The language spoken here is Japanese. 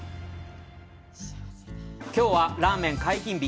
きょうは、ラーメン解禁日。